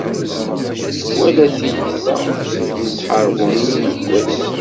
Wala tiyita n tḥerbunin deg wass.